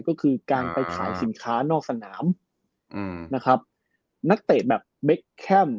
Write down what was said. ก็คือการไปขายสินค้านอกสนามอืมนะครับนักเตะแบบเบคแคมป์